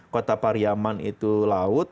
kota pariaman itu laut